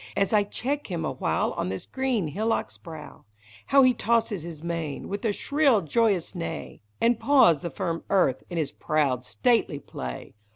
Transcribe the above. As I check him a while on this green hillock's brow ; How he tosses his mane, with a shrill joyous neigh, And paws the firm earth in his proud, stately play!